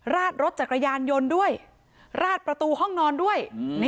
ราดรถจักรยานยนต์ด้วยราดประตูห้องนอนด้วย